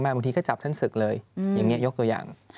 บางทีก็จับท่านศึกเลยอย่างนี้ยกตัวอย่าง